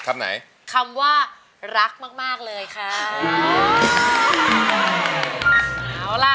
อะไรคำว่ารักมากเลยค่ะ